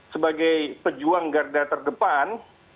sebagai pejuang garda terdepan